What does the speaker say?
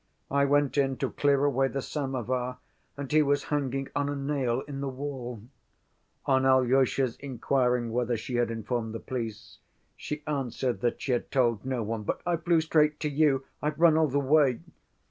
"I went in to clear away the samovar and he was hanging on a nail in the wall." On Alyosha's inquiring whether she had informed the police, she answered that she had told no one, "but I flew straight to you, I've run all the way."